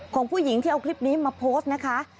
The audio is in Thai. ของผู้หญิงที่เอาคลิปนี้มาโพสต์นะคะ